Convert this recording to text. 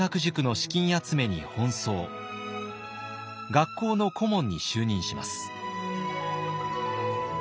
学校の顧問に就任します。